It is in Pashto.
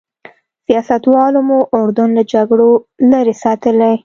سیاستوالو مو اردن له جګړو لرې ساتلی.